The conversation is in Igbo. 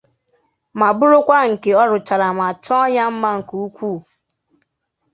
ma bụrụkwa nke ọ rụchaara ma chọọ ya mma nke ukwuu.